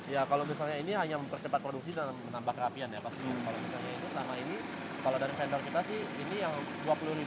ya kalau misalnya ini hanya mempercepat produksi dan menambah kerafian ya